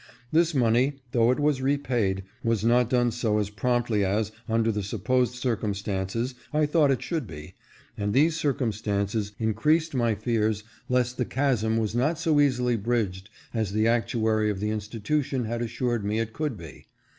This money, though it was repaid, was not done so as promptly as, under the sup posed circumstances, I thought it should be, and these circumstances increased my fears lest the chasm was not so easily bridged as the actuary of the institution had assured me it could be.